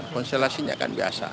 konsilasinya kan biasa